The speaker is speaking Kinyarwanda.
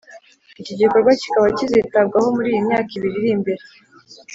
iki gikorwa kikaba kizitabwaho muri iyi myaka ibiri iri imbere.